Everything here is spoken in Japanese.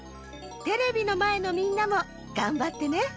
テレビのまえのみんなもがんばってね。